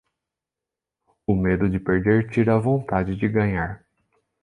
O medo de perder tira a vontade de ganhar.